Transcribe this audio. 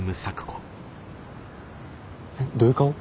えっどういう顔？